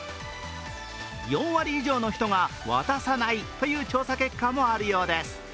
４割以上の人が渡さないという調査結果もあるようです。